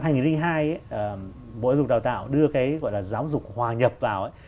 bộ giáo dục đào tạo đưa cái gọi là giáo dục hòa nhập vào